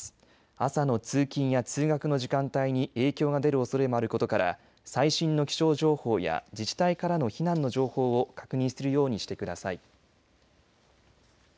朝の通勤や通学の時間帯に影響が出るおそれもあることから最新の気象情報や自治体からの避難の情報を確認するようにしてください。